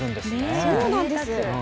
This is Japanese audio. そうなんです。